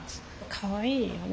かわいいよね